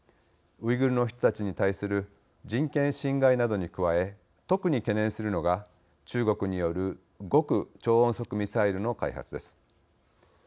ウイグルの人たちに対する人権侵害などに加え特に懸念するのが中国による極超音速ミサイルの開発です。